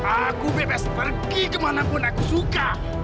aku bebas pergi kemanapun aku suka